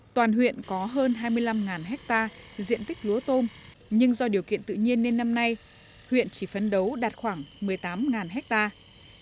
toàn huyện có hơn hai mươi năm hectare diện tích lúa tôm nhưng do điều kiện tự nhiên nên năm nay huyện chỉ phấn đấu đạt khoảng một mươi tám hectare